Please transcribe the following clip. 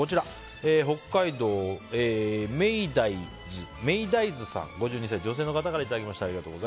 北海道の５２歳、女性の方からいただきました。